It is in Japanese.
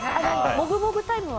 もぐもぐタイムは？